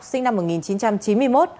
sinh năm một nghìn chín trăm chín mươi một